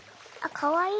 かわいい？